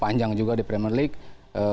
panjang juga di premier league